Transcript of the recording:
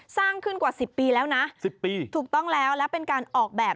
สร้างขึ้นกว่า๑๐ปีแล้วนะ๑๐ปีถูกต้องแล้วและเป็นการออกแบบ